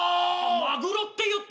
「マグロ」って言ってる？